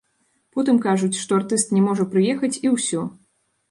Потым кажуць, што артыст не можа прыехаць і ўсё.